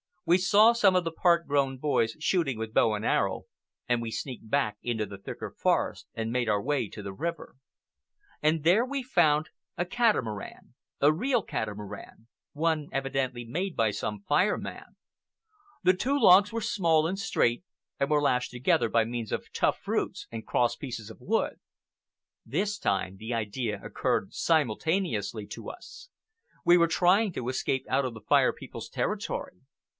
We saw some of the part grown boys shooting with bow and arrow, and we sneaked back into the thicker forest and made our way to the river. And there we found a catamaran, a real catamaran, one evidently made by some Fire Man. The two logs were small and straight, and were lashed together by means of tough roots and crosspieces of wood. This time the idea occurred simultaneously to us. We were trying to escape out of the Fire People's territory.